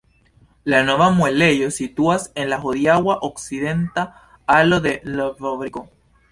La nova muelejo situas en la hodiaŭa okcidenta alo de l' fabriko.